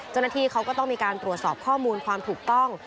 เจ้าหน้าที่เขาก็ต้องมีการตรวจสอบข้อมูลความถูกต้อง